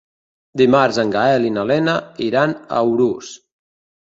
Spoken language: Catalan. Dimarts en Gaël i na Lena iran a Urús.